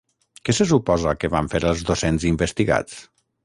Què se suposa que van fer els docents investigats?